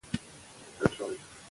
د اختر په ورځو کې ښځو ته وعظ کېده.